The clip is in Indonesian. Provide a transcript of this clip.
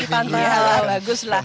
tetap ya baguslah